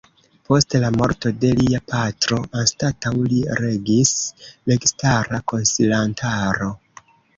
Post la morto de lia patro anstataŭ li regis registara konsilantaro.